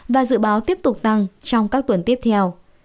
và dự báo tiếp tục tăng trong các tuần tiếp theo